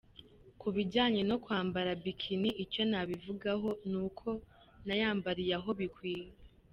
Ku bijyanye no kwambara Bikini, icyo nabivugaho ni uko nayambariye aho bikwiye.